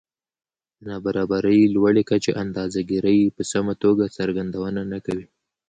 د نابرابرۍ لوړې کچې اندازه ګيرۍ په سمه توګه څرګندونه نه کوي